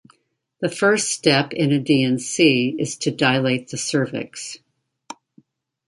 The first step in a D and C is to dilate the cervix.